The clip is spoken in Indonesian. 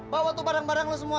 bawa tuh barang barang lo semua